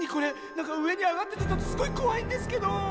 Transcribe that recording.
なんかうえにあがっててすごいこわいんですけど。